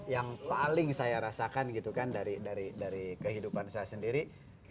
yang paling saya rasakan gitu kan dari kehidupan saya sendiri